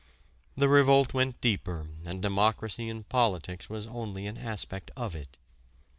The revolt went deeper and democracy in politics was only an aspect of it.